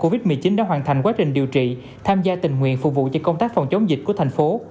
bệnh nhân covid một mươi chín đã hoàn thành quá trình điều trị tham gia tình nguyện phục vụ trên công tác phòng chống dịch của thành phố